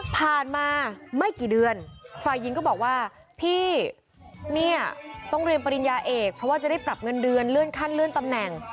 ผ่านมาไม่กี่เดือนฝ่ายหญิงก็บอกว่าพี่เนี่ยต้องเรียนปริญญาเอกเพราะว่าจะได้ปรับเงินเดือนเลื่อนขั้นเลื่อนตำแหน่ง